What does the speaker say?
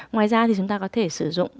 ngoài ra thì chúng ta có thể sử dụng